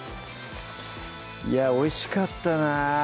いやおいしかったな